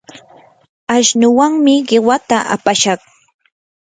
ashnuwanmi qiwata apashaq.